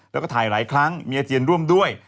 แล้วก็ถ่ายหลายครั้งมีอาเจียนร่วมด้วย